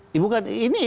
ini bukan analisis